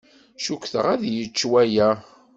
Cukkteɣ ad yečč waya.